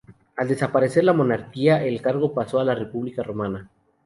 Al desaparecer la monarquía, el cargo pasó a la República romana.